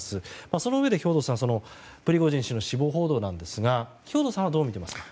そのうえで兵頭さんプリゴジン氏の死亡報道ですが兵頭さんはどうみていますか？